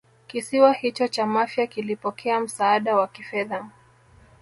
kisiwa hicho cha Mafia kilipokea msaada wa kifedha